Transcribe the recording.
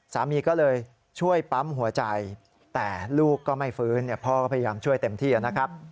สามีก็เลยช่วยปั๊มหัวใจแต่ลูกก็ไม่ฟื้นพ่อก็พยายามช่วยเต็มที่นะครับ